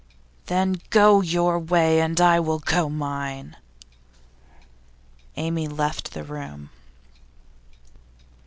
'Then go your way, and I will go mine!' Amy left the room.